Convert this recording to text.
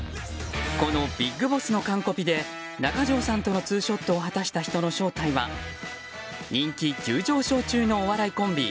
このＢＩＧＢＯＳＳの完コピで中条さんとのツーショットを果たした人の正体は人気急上昇中のお笑いコンビ